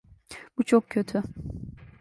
Bu çok kötü.